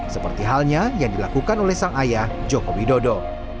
seperti halnya yang dilakukan oleh sang ayah jokowi dodo